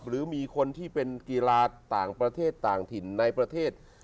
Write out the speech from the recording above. หรือมีคนที่เป็นกีฬาต่างประเทศต่างถิ่นในประเทศ